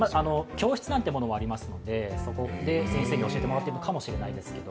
教室なんてものもありますのでそこで先生に教えてもらってるのかもしれないですけど。